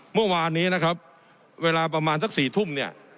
เมื่อวานนี้นะครับเวลาประมาณสัก๔ทุ่มเนี่ย